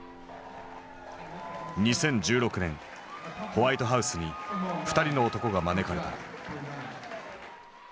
ホワイトハウスに２人の男が招かれた。